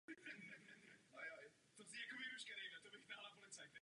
Také obhajuji potřebu kontroly mafií.